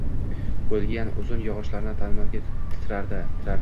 Qo‘yilgan uzun yog‘ochlarni tarnovga tirardi.